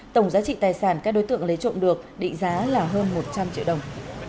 tổng giá trị tài sản các đối tượng lấy trộm được định giá là hơn một trăm linh triệu đồng